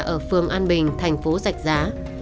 ở phường an bình thành phố sạch giá